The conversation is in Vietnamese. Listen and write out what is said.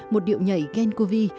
một điệu nhảy gencovi